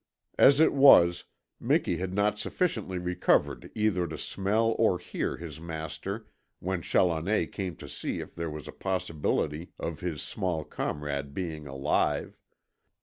As it was, Miki had not sufficiently recovered either to smell or hear his master when Challoner came to see if there was a possibility of his small comrade being alive.